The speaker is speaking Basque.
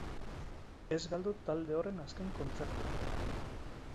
Ez galdu talde horren azken kontzertuak!